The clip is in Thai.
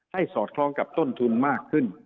สอดคล้องกับต้นทุนมากขึ้น